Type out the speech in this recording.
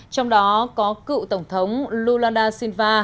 trong đó có cựu tổng thống lula da silva